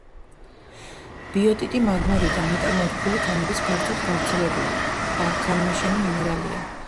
ბიოტიტი მაგმური და მეტამორფული ქანების ფართოდ გავრცელებული ქანმაშენი მინერალია.